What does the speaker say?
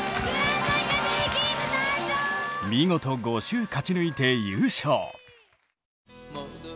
見事５週勝ち抜いて優勝。